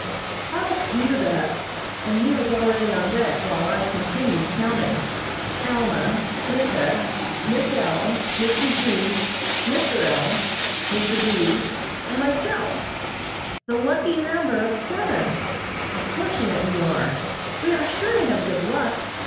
"I'll see to that," and he was already on deck, while I continued counting. "Alma, Ricka, Miss L., Mr. G., Mr. L., Mr. B., and myself the lucky number of seven. How fortunate we are. We are sure to have good luck.